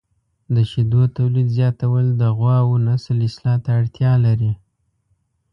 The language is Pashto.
د شیدو تولید زیاتول د غواوو نسل اصلاح ته اړتیا لري.